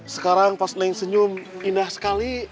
sekarang pas naik senyum indah sekali